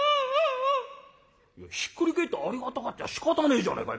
「いやひっくり返ってありがたがっちゃしかたねえじゃねえか。